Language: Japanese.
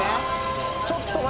ちょっとま！